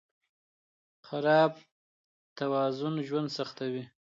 خراب توازن ژوند سختوي.